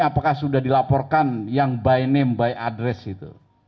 apakah sudah dilaporkan yang by name by address itu